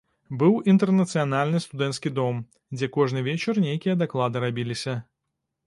Быў інтэрнацыянальны студэнцкі дом, дзе кожны вечар нейкія даклады рабіліся.